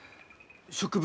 植物